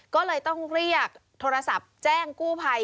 ก็เลยต้องเรียกโทรศัพท์แจ้งกู้ภัย